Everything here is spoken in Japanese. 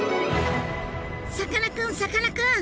さかなクンさかなクン！